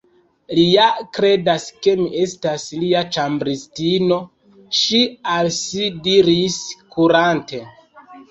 “Li ja kredas ke mi estas lia ĉambristino,” ŝi al si diris, kurante.